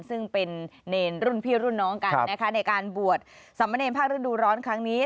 ซึ่งเป็นเนรรุ่นพี่รุ่นน้องกันนะคะในการบวชสามเนรภาคฤดูร้อนครั้งนี้